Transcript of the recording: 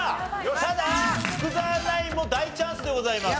ただ福澤ナインも大チャンスでございます。